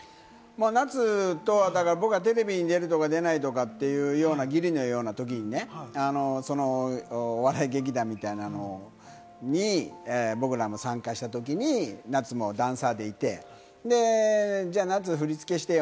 夏とは僕、テレビに出るとか出ないとかっていうようなときにね、お笑い劇団みたいなのに僕らも参加したときに、夏もダンサーでいて、夏、振付してよ！